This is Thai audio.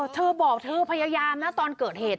เธอบอกเธอพยายามนะตอนเกิดเหตุ